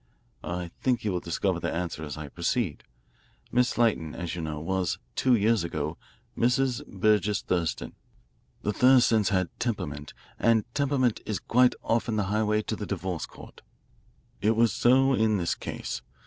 I think you will discover the answer as I proceed. Miss Lytton, as you know, was, two years ago, Mrs. Burgess Thurston. The Thurstons had temperament, and temperament is quite often the highway to the divorce court. It was so in this case.